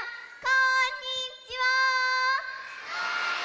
こんにちは！